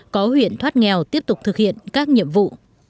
có huyện thoát nghèo tiếp tục thực hiện các nhiệm vụ